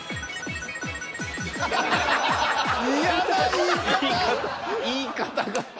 言い方言い方が。